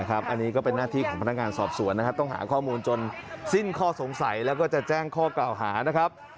อันนี้ก็เป็นหน้าที่ของพนักงานสอบสวนนะครับต้องหาข้อมูลจนสิ้นข้อสงสัยแล้วก็จะแจ้งข้อกล่าวหานะครับ